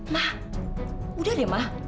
ma udah deh ma